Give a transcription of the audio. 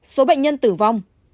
ba số bệnh nhân tử vong